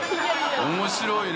面白いね。